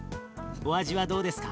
お味はどうですか？